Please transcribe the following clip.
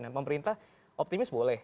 dan pemerintah optimis boleh